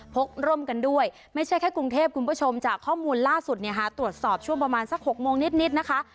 กร่มกันด้วยไม่ใช่แค่กรุงเทพคุณผู้ชมจากข้อมูลล่าสุดเนี่ยค่ะตรวจสอบช่วงประมาณสัก๖โมงนิดนะคะ